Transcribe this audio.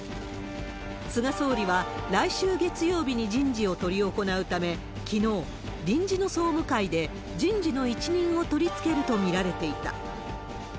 菅総理は来週月曜日に人事を執り行うため、きのう、臨時の総務会で人事の一任を取り付けると見られていた。